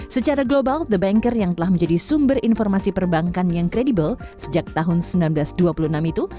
secara global the banker yang telah menjadi sumber informasi perbankan yang kredibel sejak tahun seribu sembilan ratus dua puluh enam itu